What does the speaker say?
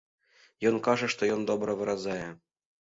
Ён кажа, што ён добра выразае.